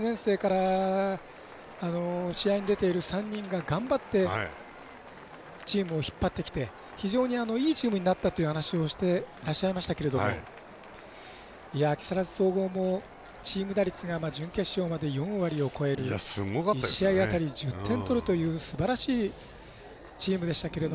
特に１年生から試合に出て頑張ってチームを引っ張ってきて非常にいいチームになったという話をしてらっしゃいましたけど木更津総合もチーム打率が準決勝まで４割を超える１試合あたり１０点取るというすばらしいチームでしたけれど。